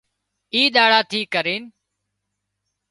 اِي ۮاڙا ٿِي ڪرينَ